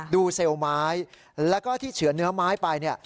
ดูเซลล์ไม้แล้วก็ที่เฉือนเนื้อไม้ไป